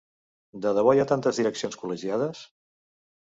De debò hi ha tantes direccions col·legiades?